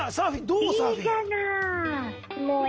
どう？